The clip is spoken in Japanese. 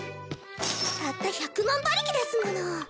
たった百万馬力ですもの。